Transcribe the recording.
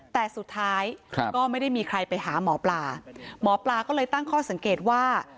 แต่สุดท้ายก็ไม่ได้มีใครไปหาหมอปลาหมอปลาก็เลยตั้งข้อสังเกตว่า